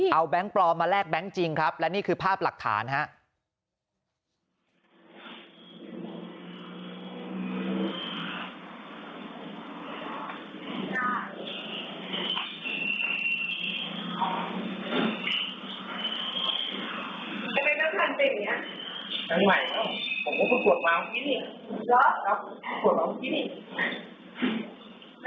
เอาแบงค์ปลอมมาแลกแก๊งจริงครับและนี่คือภาพหลักฐานครับ